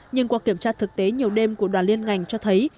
nhưng qua kiểm tra thực tế nhiều đêm của đoàn liên ngành cho thấy